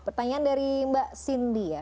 pertanyaan dari mbak cindy ya